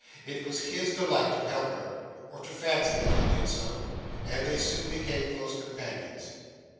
It was his delight to help her, or to fancy that he did so, and they soon became close companions.